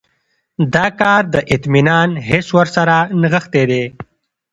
دا کار د اطمینان حس ورسره نغښتی دی.